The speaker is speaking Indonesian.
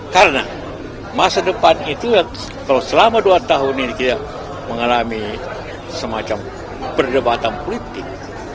karena masa depan itu kalau selama dua tahun ini kita mengalami semacam perdebatan politik